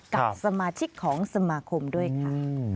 กับสมาชิกของสมาคมด้วยค่ะ